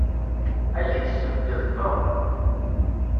Aya yessebded Tom.